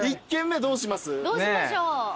どうしましょう。